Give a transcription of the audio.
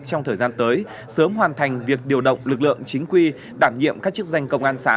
trong thời gian tới sớm hoàn thành việc điều động lực lượng chính quy đảm nhiệm các chức danh công an xã